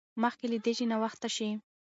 مخکې له دې چې ناوخته شي.